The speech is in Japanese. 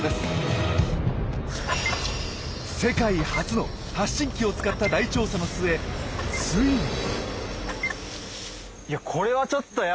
世界初の発信機を使った大調査の末ついに。